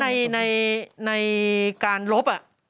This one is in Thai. หมายถึงว่าในการลบ